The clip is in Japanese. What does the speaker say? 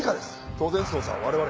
当然捜査は我々が。